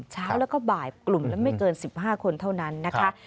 เช้าแล้วก็บ่ายกลุ่มละไม่เกิน๑๕คนเท่านั้นนะคะ